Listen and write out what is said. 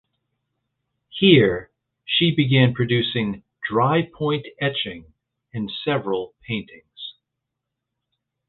Here she began producing drypoint etchings and several paintings.